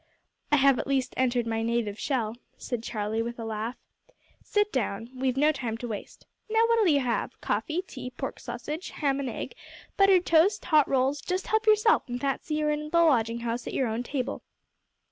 "I have at least entered my native shell," said Charlie, with a laugh. "Sit down. We've no time to waste. Now what'll you have? Coffee, tea, pork sausage, ham and egg, buttered toast, hot rolls. Just help yourself, and fancy you're in the lodging house at your own table."